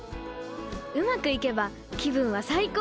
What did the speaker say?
うまくいけば気分は最高です！